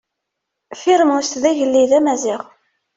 Firmus d agellid amaziɣ.